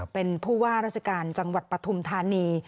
เป็นผู้ว่าราชการจังหวัดปฐุมธานี